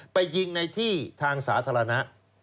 ไปยิงในที่ทางสาธารณะ